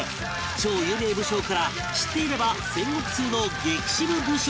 超有名武将から知っていれば戦国ツウの激渋武将まで